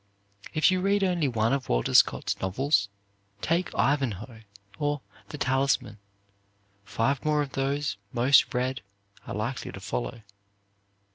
If you read only one of Walter Scott's novels, take "Ivanhoe," or "The Talisman." Five more of those most read are likely to follow.